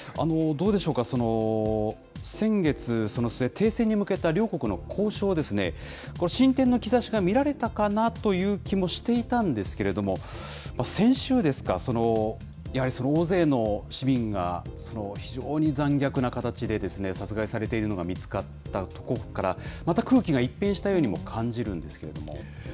どうでしょうか、先月末、停戦に向けた両国の交渉ですね、これは進展の兆しが見られたかなという気もしていたんですけれども、先週ですか、やはり大勢の市民が非常に残虐な形で殺害されているのが見つかったところから、また空気が一変したようにも感じるんですけれども。